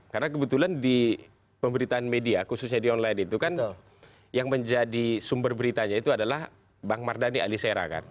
karena kebetulan di pemberitaan media khususnya di online itu kan yang menjadi sumber beritanya itu adalah bang mardhani alisera kan